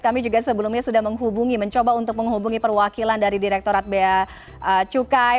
kami juga sebelumnya sudah menghubungi mencoba untuk menghubungi perwakilan dari direktorat bea cukai